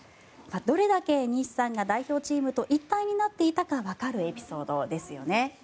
どれだけ西さんが代表チームと一体になっていたかわかるエピソードですよね。